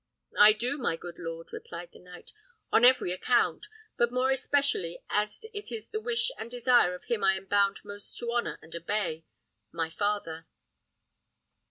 "I do, my good lord," replied the knight, "on every account; but more especially as it is the wish and desire of him I am bound most to honour and obey: my father."